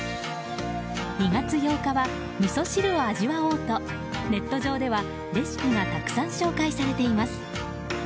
２月８日は、みそ汁を味わおうとネット上ではレシピがたくさん紹介されています。